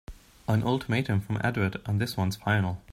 An ultimatum from Edward and this one's final!